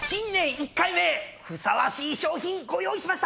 １回目ふさわしい賞品ご用意しました！